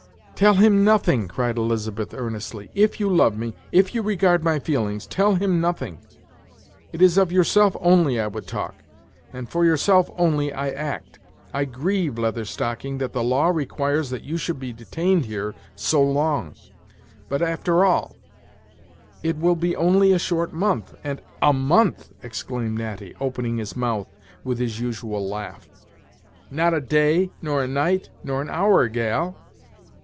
"Tell him nothing," cried Elizabeth, earnestly; "if you love me, if you regard my feelings, tell him nothing. It is of yourself only I would talk, and for yourself only I act. I grieve, Leather Stocking, that the law requires that you should be detained here so long; but, after all, it will be only a short month, and " "A month?" exclaimed Natty, opening his mouth with his usual laugh, "not a day, nor a night, nor an hour, gal.